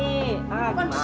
kok pesanan gue ah